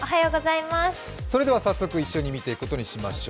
それでは早速一緒に見ていくことにしましょう。